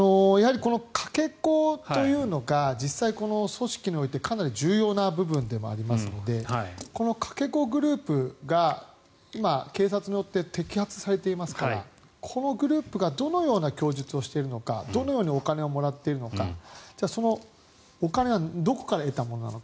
このかけ子というのが実際、組織においてかなり重要な部分でもありますのでこのかけ子グループが今、警察によって摘発されていますからこのグループがどのような供述をしているのかどのようにお金をもらっているのかそのお金はどこから得たものなのか。